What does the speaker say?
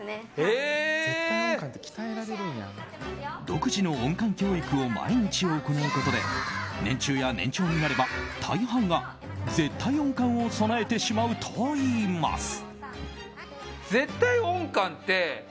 独自の音感教育を毎日行うことで年中や年長になれば大半が絶対音感を備えてしまうといいます。